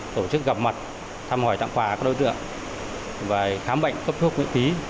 tổ chức gặp mặt thăm hỏi tặng quà các đối tượng và khám bệnh cấp thuốc miễn phí